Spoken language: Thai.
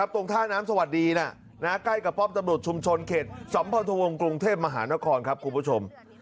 ตรงท่าน้ำสวัสดีใกล้กับป้อมตำรวจชุมชนเขตสัมพันธวงศ์กรุงเทพมหานครครับคุณผู้ชม